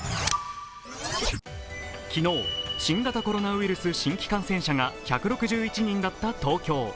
昨日、新型コロナウイルス新規感染者が１６１人だった東京。